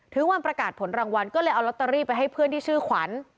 ถึงวันประกาศผลรางวัลก็เลยเอาลอตเตอรี่ไปให้เพื่อนที่ชื่อขวัญ